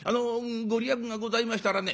御利益がございましたらね